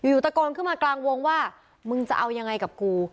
อยู่ตะโกนขึ้นมากลางวงว่ามึงจะเอายังไงกับกู